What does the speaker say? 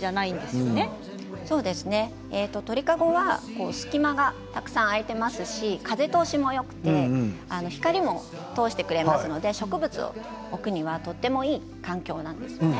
鳥籠は隙間がたくさん開いていますし風通しがよくて光も通してくれますので植物を置くにはとてもいい環境なんですね。